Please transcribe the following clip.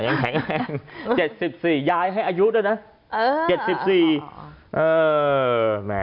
๗๔ยายแข็งอายุดีล่ะ